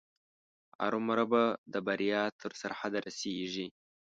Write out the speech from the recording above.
ارومرو به د بریا تر سرحده رسېږي.